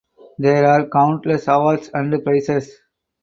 There are countless awards and prizes.